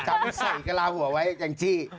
จำที่ใส่กระลาฟหัวไว้อย่างจี้